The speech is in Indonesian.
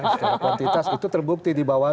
skala kuantitas itu terbukti di bawah